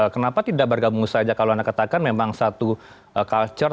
kenapa tidak bergabung saja kalau anda katakan memang satu culture